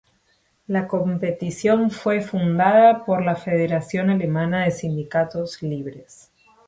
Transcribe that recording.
La competición fue fundada por la Federación Alemana de Sindicatos Libres.